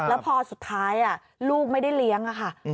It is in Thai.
แล้วพอสุดท้ายลูกไม่ได้เลี้ยงค่ะ